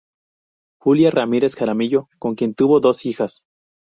Julia Ramírez Jaramillo, con quien tuvo dos hijas.